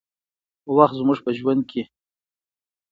وخت زموږ په ژوند کې